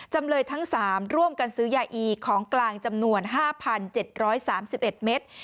จำเลยทั้ง๓ร่วมกันซื้อยาอีของกลางจำนวน๕๗๓๑เมตร